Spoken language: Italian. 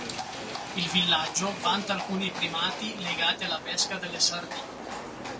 Il villaggio vanta alcuni primati legati alla pesca delle sardine.